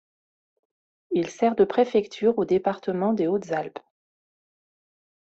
Il sert de préfecture au département des Hautes-Alpes.